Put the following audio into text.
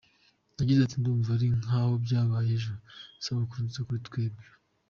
Yagize ati “Ndumva ari nk’aho byabaye ejo, isabukuru nziza kuri twebwe.